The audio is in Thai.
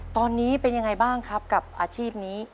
ตอนนี้เป็นยังไงบ้างครับกับอาชีพนี้